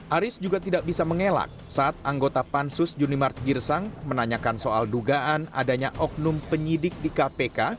aris juga tidak bisa mengelak saat anggota pansus junimart girsang menanyakan soal dugaan adanya oknum penyidik di kpk